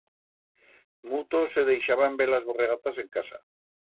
Mutos se deixaban belas borregatas en casa.